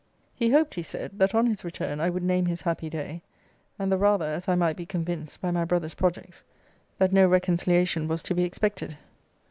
He hoped, he said, that on his return I would name his happy day; and the rather, as I might be convinced, by my brother's projects, that no reconciliation was to be expected.